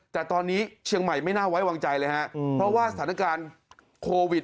แต่ตอนนี้เชียงใหม่ไม่น่าไว้วางใจเลยฮะเพราะว่าสถานการณ์โควิด